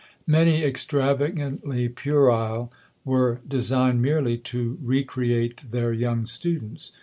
Many extravagantly puerile were designed merely to recreate their young students.